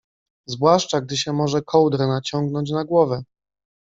zwłaszcza, gdy się może kołdrę naciągnąć na głowę.